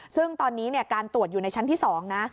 ซึ่งตอนนี้การตรวจอยู่ในชั้นที่๒นะ